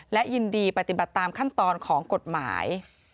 และยินดีปฏิบัติตามขั้นตอนของกฎหมาย